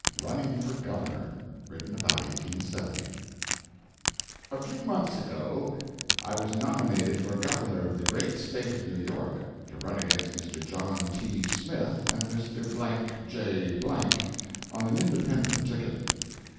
RUNNING FOR GOVERNOR [Written about 1870.] A few months ago I was nominated for Governor of the great state of New York, to run against Mr. John T. Smith and Mr. Blank J. Blank on an independent ticket.